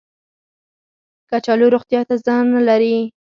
کچالو روغتیا ته زیان نه لري